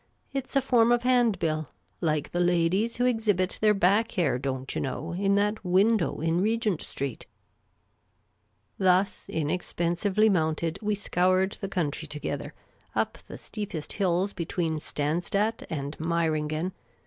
It 's a form of handbill. Like the ladies who exhibit their back hair, don't you know, in that window in Regent Street." Thus inexpensively mounted, we scoured the country to gether, up the steepest hills between Stanzstadt and Mei ringen.